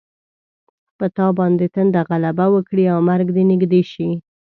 په تا باندې تنده غلبه وکړي او مرګ دې نږدې شي.